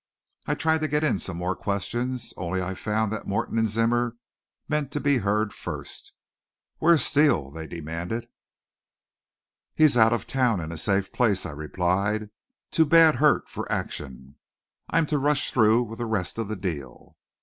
I tried to get in some more questions, only I found that Morton and Zimmer meant to be heard first. "Where's Steele?" they demanded. "He's out of town, in a safe place," I replied. "Too bad hurt for action. I'm to rush through with the rest of the deal."